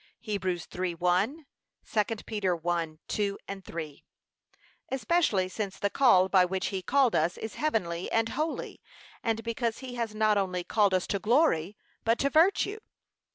(Heb. 3:1; 2 Peter 1:2, 3) Especially since the call by which he called us is heavenly, and holy, and because he has not only called us to glory, but to virtue.